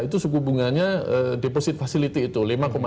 itu suku bunganya deposit facility itu lima tujuh puluh lima